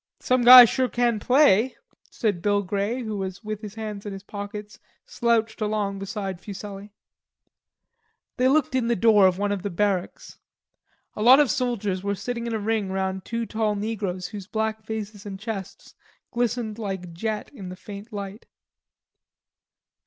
"Some guy sure can play," said Bill Grey who, with his hands in his pockets, slouched along beside Fuselli. They looked in the door of one of the barracks. A lot of soldiers were sitting in a ring round two tall negroes whose black faces and chests glistened like jet in the faint light.